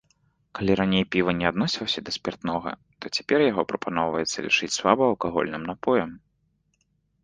Калі раней піва не адносілася да спіртнога, то цяпер яго прапаноўваецца лічыць слабаалкагольным напоем.